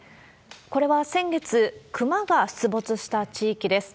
これは先月、クマが出没した地域です。